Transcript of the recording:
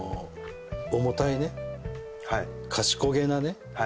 重たいね賢げなね